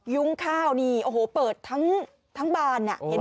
ยุ่งข้าวนี่โอ้โหเปิดทั้งบานนี่เห็นไหม